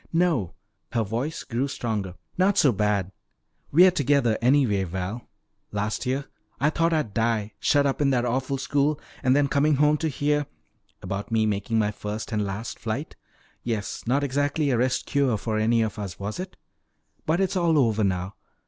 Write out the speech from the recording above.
"No," her voice grew stronger, "not so bad. We're together anyway, Val. Last year I thought I'd die, shut up in that awful school, and then coming home to hear " "About me making my first and last flight. Yes, not exactly a rest cure for any of us, was it? But it's all over now.